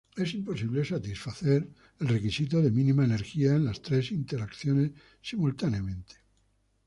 Es imposible satisfacer el requisito de mínima energía en las tres interacciones simultáneamente.